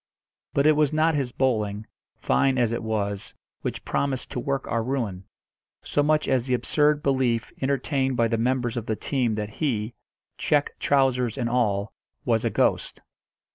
But it was not his bowling, fine as it was, which promised to work our ruin, so much as the absurd belief entertained by the members of the team that he check trousers and all was a ghost.